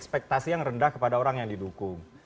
ekspektasi yang rendah kepada orang yang didukung